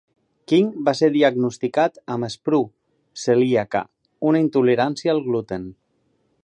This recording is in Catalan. King va ser diagnosticat amb esprue celíaca, una intolerància al gluten.